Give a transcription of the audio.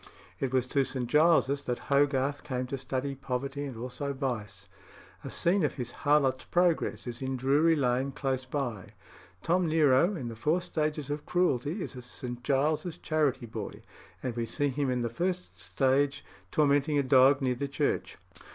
It was to St. Giles's that Hogarth came to study poverty and also vice. A scene of his "Harlot's Progress" is in Drury Lane, close by. Tom Nero, in the "Four Stages of Cruelty," is a St. Giles's charity boy, and we see him in the first stage tormenting a dog near the church.